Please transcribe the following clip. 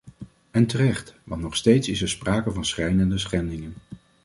En terecht, want nog steeds is er sprake van schrijnende schendingen.